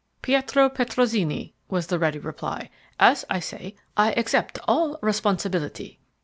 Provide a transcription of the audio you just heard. "Pietro Petrozinni," was the ready reply. "As I say, I accept all responsibility."